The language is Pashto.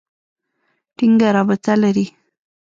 ټینګه رابطه لري.